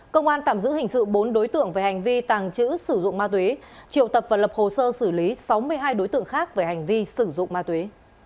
công an tạm giữ hình sự bốn đối tượng về hành vi tàng trữ sử dụng ma túy triệu tập và lập hồ sơ xử lý sáu mươi hai đối tượng khác về hành vi sử dụng ma túy